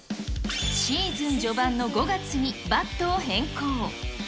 シーズン序盤の５月にバットを変更。